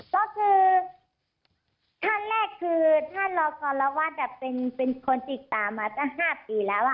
ก็คือขั้นแรกคือท่านรกรวรรษแบบเป็นคนติดตามมาตั้ง๕ปีแล้วอ่ะ